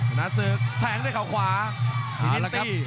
ชนะศึกแทงด้วยเขาขวาศรีรินตี